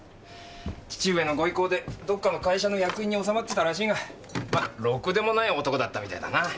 父上のご威光でどっかの会社の役員に納まってたらしいがまあろくでもない男だったみたいだな。